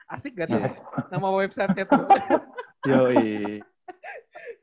asik nggak tuh nama website nya tuh